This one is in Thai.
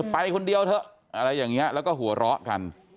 ไปคนเดียวเถอะอะไรอย่างนี้แล้วก็หัวเราะกัน